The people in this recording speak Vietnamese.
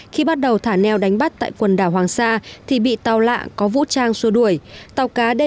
khi bắt đầu thả neo đánh bắt tại quần đảo hoàng sa thì bị tàu lạ có vũ trang xua đuổi